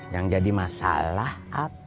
yang jadi masalah apa